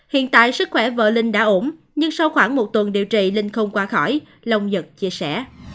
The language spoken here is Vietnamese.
hiện tại sức khỏe vợ linh đã ổn nhưng sau khoảng một tuần điều trị linh không qua khỏi long nhật chia sẻ